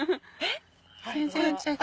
全然違う。